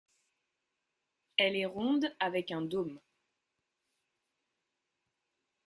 Elle est ronde avec un dôme.